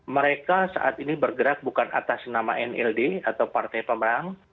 mereka saat ini bergerak bukan atas nama nld atau partai pemenang